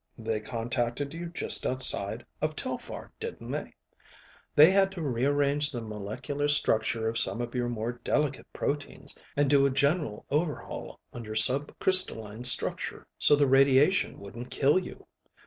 They contacted you just outside of Telphar, didn't they? They had to rearrange the molecular structure of some of your more delicate proteins and do a general overhaul on your sub crystalline structure so the radiation wouldn't kill you.